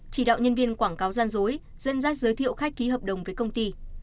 chỉ đạo nhân viên quảng cáo gian dối dân giác giới thiệu khách ký hợp đồng với công ty